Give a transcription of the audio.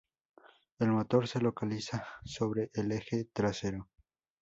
El motor se localiza sobre el eje trasero.